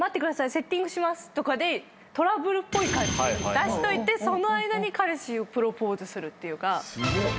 セッティングします」とかでトラブルっぽい感じ出しといてその間に彼氏をプロポーズするっていうか。